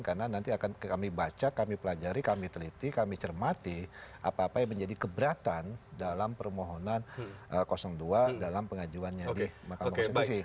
karena nanti akan kami baca kami pelajari kami teliti kami cermati apa apa yang menjadi keberatan dalam permohonan dua dalam pengajuan di mahkamah konstitusi